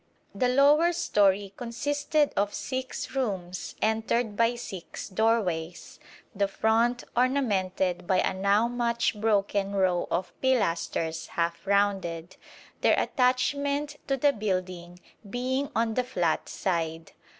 The lower storey consisted of six rooms entered by six doorways, the front ornamented by a now much broken row of pilasters half rounded, their attachment to the building being on the flat side.